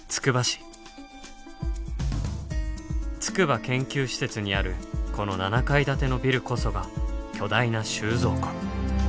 筑波研究施設にあるこの７階建てのビルこそが「巨大な収蔵庫」。